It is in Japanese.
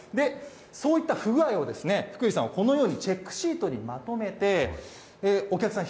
そういった不具合を、福井さんはこのようにチェックシートにまとめて、お客さん